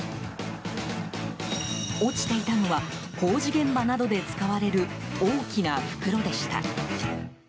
落ちていたのは工事現場などで使われる大きな袋でした。